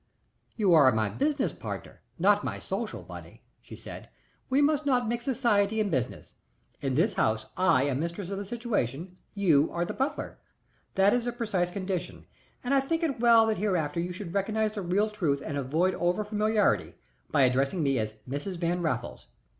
"You are my business partner not my social, Bunny," she said. "We must not mix society and business. In this house I am mistress of the situation; you are the butler that is the precise condition, and I think it well that hereafter you should recognize the real truth and avoid over familiarity by addressing me as Mrs. Van Raffles.